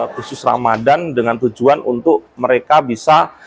khusus ramadan dengan tujuan untuk mereka bisa